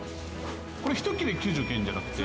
これ一切れ９９円じゃなくて。